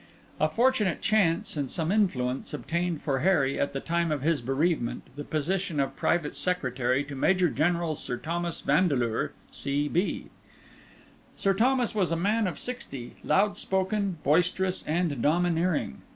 A fortunate chance and some influence obtained for Harry, at the time of his bereavement, the position of private secretary to Major General Sir Thomas Vandeleur, C.B. Sir Thomas was a man of sixty, loud spoken, boisterous, and domineering.